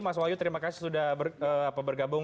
mas wahyu terima kasih sudah bergabung